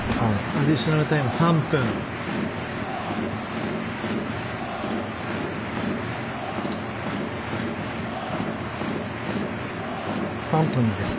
アディショナルタイムは３分です。